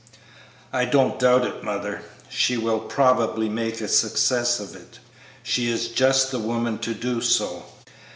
"I don't doubt it, mother; she will probably make a success of it; she is just the woman to do so."